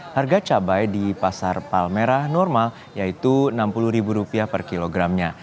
harga cabai di pasar palmerah normal yaitu rp enam puluh per kilogramnya